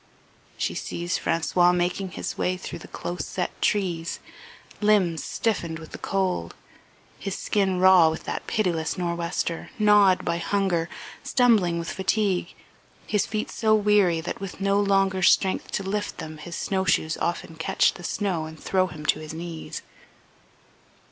She sees François making his way through the close set trees, limbs stiffened with the cold, his skin raw with that pitiless nor'wester, gnawed by hunger, stumbling with fatigue, his feet so weary that with no longer strength to lift them his snowshoes often catch the snow and throw him to his knees.